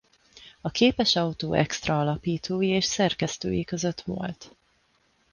A Képes Autó Extra alapítói és szerkesztői között volt.